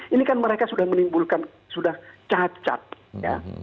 ini kan mereka sudah menimbulkan sudah cacat ya